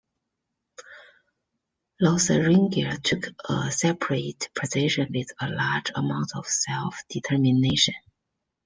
Lotharingia took a separate position with a large amount of self-determination.